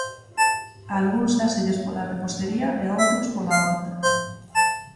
A algúns dáselles pola repostería e a outros pola horta.